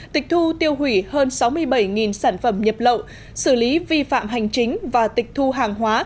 tịch thu tiêu hủy hơn sáu mươi bảy sản phẩm nhập lậu xử lý vi phạm hành chính và tịch thu hàng hóa